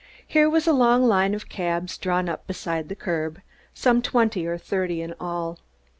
Here was a long line of cabs drawn up beside the curb, some twenty or thirty in all.